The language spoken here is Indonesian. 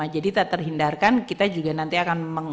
jadi tak terhindarkan kita juga nanti akan